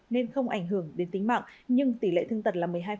nên không ảnh hưởng đến tính mạng nhưng tỷ lệ thương tật là một mươi hai